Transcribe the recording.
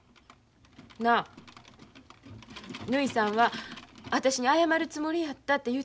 なあぬひさんは私に謝るつもりやったって言うてはんのやで。